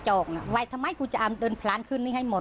ออกน่ะไว้ทำไมกูจะเอาเดินพลานขึ้นนี้ให้หมด